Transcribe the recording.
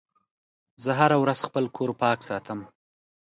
زه هره ورځ خپل کور پاک ساتم.